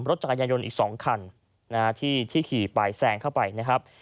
รถจักรยานยนต์อีก๒คันที่ขี่ไปแซงเข้าไปนะครับ